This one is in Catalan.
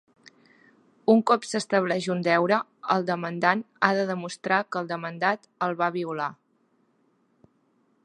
Una cop s'estableix un deure, el demandant ha de demostrar que el demandat el va "violar".